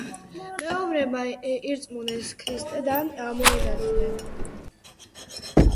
მეომრებმა ირწმუნეს ქრისტე და მოინათლნენ.